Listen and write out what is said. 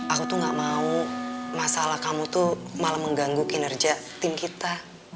aku tuh gak mau masalah kamu tuh malah mengganggu kinerja tim kita